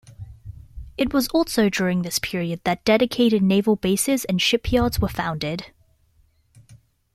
It was also during this period that dedicated naval bases and shipyards were founded.